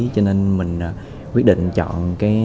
cho nên mình quyết định chọn